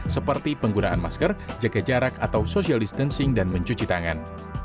seperti penggunaan masker jaga jarak atau social distancing dan mencuci tangan